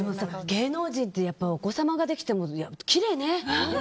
芸能人ってやっぱりお子さんができてもきれいね。